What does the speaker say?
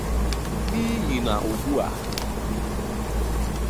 n'ihi na ugbu a